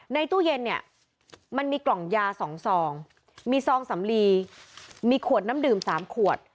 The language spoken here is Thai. ตู้เย็นเนี่ยมันมีกล่องยา๒ซองมีซองสำลีมีขวดน้ำดื่ม๓ขวด